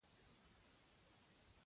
• په دېرش کلنۍ کې مې ژوند پیل کړ.